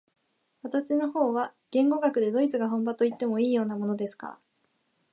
私の方は言語学でドイツが本場といっていいようなものですから、